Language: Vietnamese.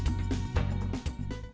hẹn gặp lại